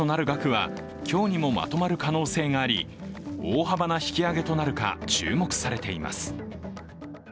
引き上げの目安となる額は今日にもまとまる可能性があり、大幅な引き上げとなるか注目されています。